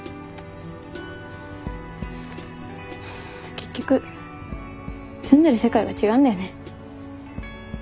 結局住んでる世界が違うんだよね。